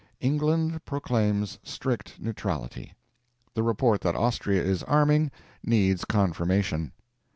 England proclaims strict neutrality. The report that Austria is arming needs confirmation.